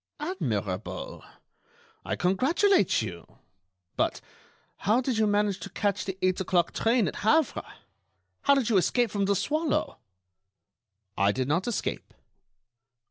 "Admirable! I congratulate you. But how did you manage to catch the eight o'clock train at Havre? How did you escape from The Swallow?" "I did not escape."